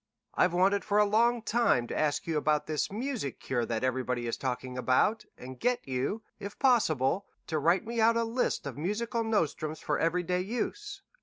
I've wanted for a long time to ask you about this music cure that everybody is talking about, and get you, if possible, to write me out a list of musical nostrums for every day use.